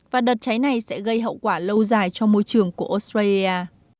và đợt cháy này sẽ gây hậu quả lâu dài cho môi trường của australia